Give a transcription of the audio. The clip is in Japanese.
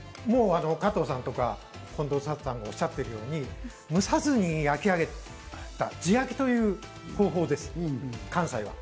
加藤さんや近藤サトさんがおっしゃってるように、蒸さずに焼き上げた、地焼きという方法です、関西は。